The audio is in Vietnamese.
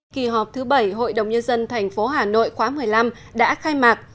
kỳ họp thứ bảy hội đồng nhân dân tp hà nội khóa một mươi năm đã khai mạc